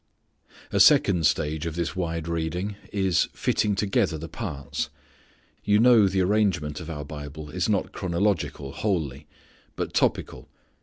A second stage of this wide reading is fitting together the parts. You know the arrangement of our Bible is not chronological wholly, but topical.